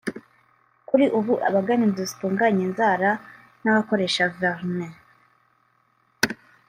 Kuri ubu abagana inzu zitunganya inzara n’abakoresha vernis